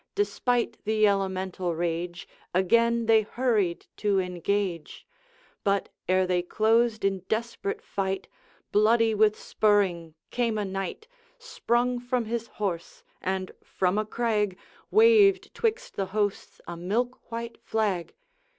Despite the elemental rage, Again they hurried to engage; But, ere they closed in desperate fight, Bloody with spurring came a knight, Sprung from his horse, and from a crag Waved 'twixt the hosts a milk white flag.